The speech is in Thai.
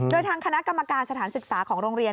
โดยทางคณะกรรมการสถานศึกษาของโรงเรียน